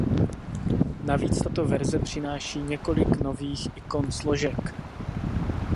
Navíc tato verze přináší několik nových ikon složek.